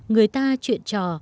người ta chuyện trò